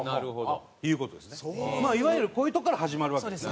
まあいわゆるこういうとこから始まるわけですね。